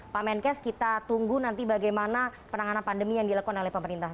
pak menkes kita tunggu nanti bagaimana penanganan pandemi yang dilakukan oleh pemerintah